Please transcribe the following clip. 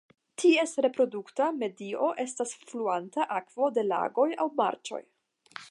Ties reprodukta medio estas fluanta akvo de lagoj aŭ marĉoj.